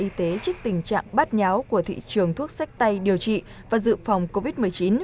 những chuyên gia y tế trích tình trạng bắt nháo của thị trường thuốc sách tay điều trị và dự phòng covid một mươi chín